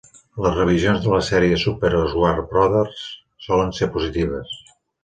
Les revisions de la sèrie "Super Smash Brothers" solen ser positives.